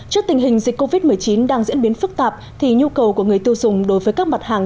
trước tình hình dịch covid một mươi chín đang diễn biến phức tạp thì nhu cầu của người tiêu dùng đối với các mặt hàng